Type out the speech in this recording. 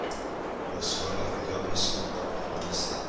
اسکار و ویلیام هیچکدام خانه نیستند.